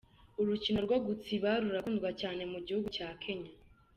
Urukino rwo gutsiba rurakundwa cane mu gihugu ca Kenya.